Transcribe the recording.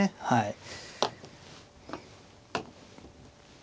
はい。